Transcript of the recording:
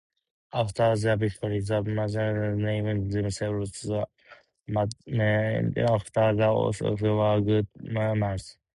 After their victory, the mercenaries named themselves the Mamertines after the Oscan war-god Mamers.